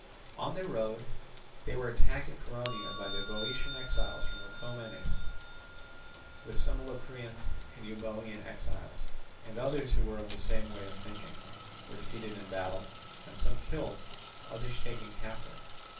On their road they were attacked at Coronea by the Boeotian exiles from Orchomenus, with some Locrians and Euboean exiles, and others who were of the same way of thinking, were defeated in battle, and some killed, others taken captive.